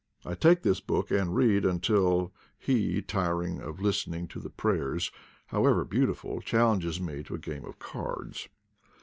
I take this book and read, until he, tired of listening to prayers, however beauti ful, challenges me to a game of cards.